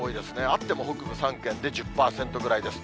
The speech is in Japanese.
あっても北部３県で１０％ぐらいです。